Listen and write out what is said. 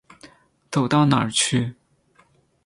走到哪儿去。